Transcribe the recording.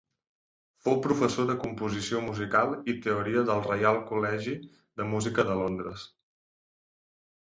Fou professor de composició musical i teoria del Reial Col·legi de Música de Londres.